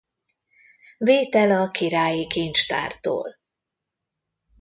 Vétel a királyi kincstártól.